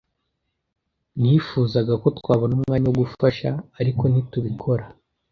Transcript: Nifuzaga ko twabona umwanya wo gufasha, ariko ntitubikora.